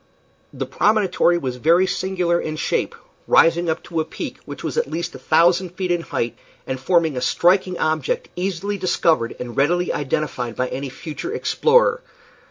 The promontory was very singular in shape, rising up to a peak which was at least a thousand feet in height, and forming a striking object, easily discovered and readily identified by any future explorer.